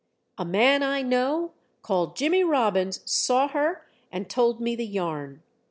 A man I know, called Jimmy Robbins, saw her, and told me the yarn.